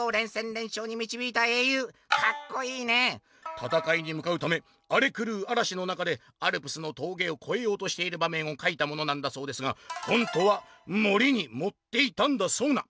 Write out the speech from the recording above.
「たたかいにむかうためあれくるうあらしの中でアルプスの峠を越えようとしている場面を描いたものなんだそうですが本当は盛りに盛っていたんだそうな！」。